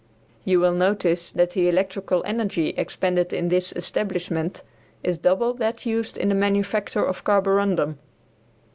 You will notice that the electrical energy expended in this establishment is double that used in the manufacture of carborundum.